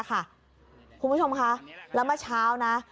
คุณผู้ชมคะแล้วเมื่อเช้านะ